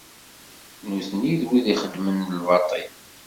Nutni d wid ixeddmen lbaṭel.